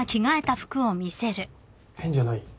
変じゃない？